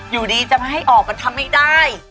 อยู่ดีจะมาให้ออกมันทำไม่ได้